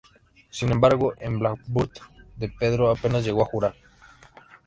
Sin embargo en Blackburn De Pedro apenas llegó a jugar.